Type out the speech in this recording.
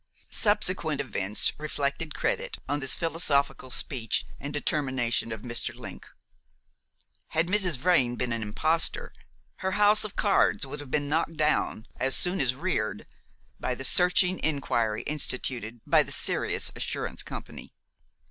Subsequent events reflected credit on this philosophical speech and determination of Mr. Link. Had Mrs. Vrain been an imposter, her house of cards would have been knocked down, as soon as reared, by the searching inquiry instituted by the Sirius Assurance Company.